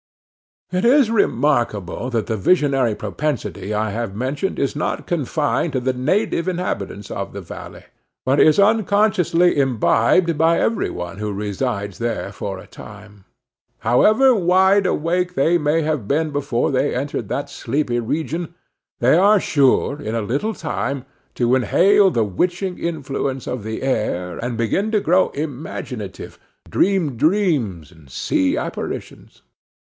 It is remarkable that the visionary propensity I have mentioned is not confined to the native inhabitants of the valley, but is unconsciously imbibed by every one who resides there for a time. However wide awake they may have been before they entered that sleepy region, they are sure, in a little time, to inhale the witching influence of the air, and begin to grow imaginative, to dream dreams, and see apparitions.